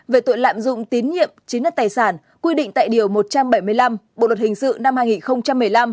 về tội lạm dụng tín nhiệm chiếm đất tài sản quy định tại điều một trăm bảy mươi năm bộ luật hình sự năm hai nghìn một mươi năm